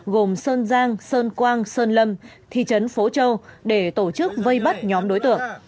gồm sơn giang sơn quang sơn lâm thị trấn phố châu để tổ chức vây bắt nhóm đối tượng